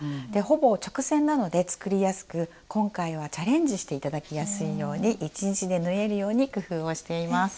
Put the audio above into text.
ほぼ直線なので作りやすく今回はチャレンジして頂きやすいように１日で縫えるように工夫をしています。